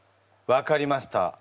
分かりました。